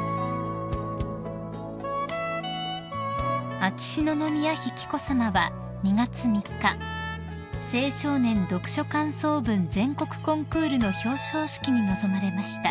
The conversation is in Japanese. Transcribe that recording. ［秋篠宮妃紀子さまは２月３日青少年読書感想文全国コンクールの表彰式に臨まれました］